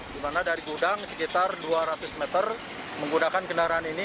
di mana dari gudang sekitar dua ratus meter menggunakan kendaraan ini